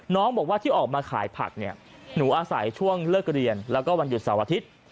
น้องบอกว่าที่ออกมาขายผักเนี่ยหนูอาศัยช่วงเลิกเรียนแล้วก็วันหยุดเสาร์อาทิตย์